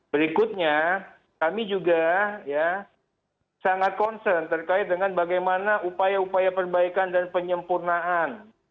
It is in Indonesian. berikutnya kami juga sangat concern terkait dengan bagaimana upaya upaya perbaikan dan penyempurnaan